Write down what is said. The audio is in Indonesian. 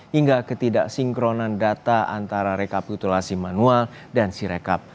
hingga ketidaksinkronan data antara rekapitulasi manual dan sirekap